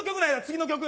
次の曲